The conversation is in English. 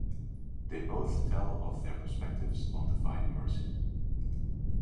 They both tell of their perspectives on Divine Mercy.